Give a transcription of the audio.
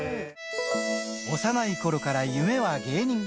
幼いころから夢は芸人。